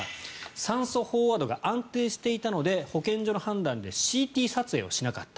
酸素飽和度が安定していたので保健所でＣＴ撮影をしなかった。